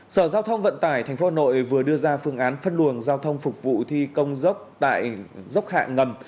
sở giao thông vận tải tp hà nội vừa đưa ra phương án phân luồng giao thông phục vụ thi công dốc tại dốc hạ ngầm